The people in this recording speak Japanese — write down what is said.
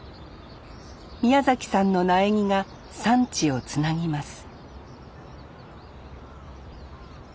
宮崎さんの苗木が産地をつなぎます